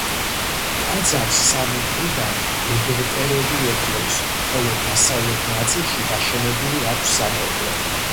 ტაძარს სამი მხრიდან ეგვტერები ეკვრის, ხოლო დასავლეთ ნაწილში დაშენებული აქვს სამრეკლო.